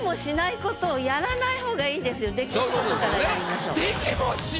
できることからやりましょう。